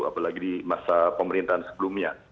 apalagi di masa pemerintahan sebelumnya